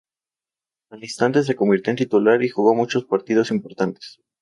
Al instante se convirtió en titular y jugó muchos partidos importantes.